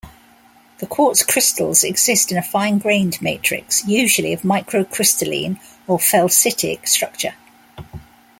The quartz crystals exist in a fine-grained matrix, usually of micro-crystalline or felsitic structure.